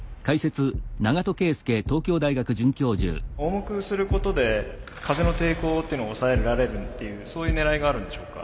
重くすることで風の抵抗っていうのを抑えられるっていうそういうねらいがあるんでしょうか？